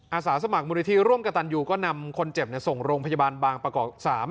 อาสาสมัครมูลนิธิร่วมกับตันยูก็นำคนเจ็บส่งโรงพยาบาลบางประกอบ๓